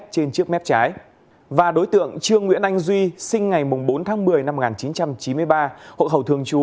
chỗ ở trước khi trốn